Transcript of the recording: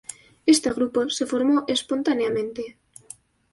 Este grupo se formó espontáneamente.